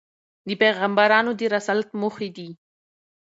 د پیغمبرانود رسالت موخي دي.